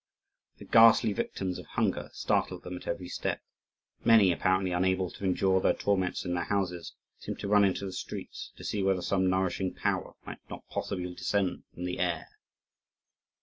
The ghastly victims of hunger startled them at every step. Many, apparently unable to endure their torments in their houses, seemed to run into the streets to see whether some nourishing power might not possibly descend from the air.